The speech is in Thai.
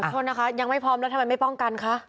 โทษนะคะยังไม่พร้อมแล้วทำไมไม่ป้องกันคะ